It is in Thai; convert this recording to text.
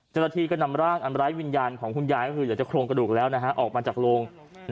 เจ้าหน้าที่ก็นำร่างอันไร้วิญญาณของคุณยายก็คืออยากจะโครงกระดูกแล้วนะฮะออกมาจากโรง